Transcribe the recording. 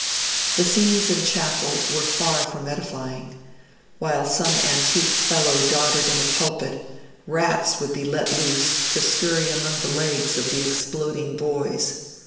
The scenes in Chapel were far from edifying; while some antique Fellow doddered in the pulpit, rats would be let loose to scurry among the legs of the exploding boys.